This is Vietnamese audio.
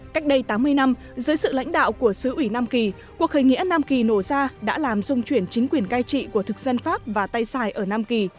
cách đây tám mươi năm dưới sự lãnh đạo của sứ ủy nam kỳ cuộc khởi nghĩa nam kỳ nổ ra đã làm dung chuyển chính quyền cai trị của thực dân pháp và tây sài ở nam kỳ